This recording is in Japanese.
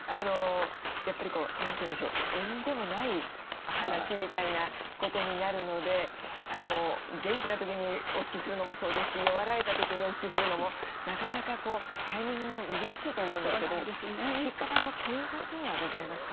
やっぱりこう何て言うんでしょう縁起でもない話みたいなことになるので元気な時にお聞きするのもそうですし弱られた時にお聞きするのもなかなかタイミングが難しいと思うんですけど聞き方のポイントというのはございますか？